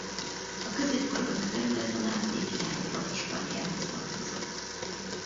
A középkorban a terület a nápolyi királyok vadasparkjához tartozott.